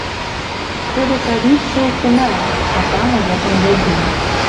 Трэба прабіцца ў фінал, а там ужо паглядзім.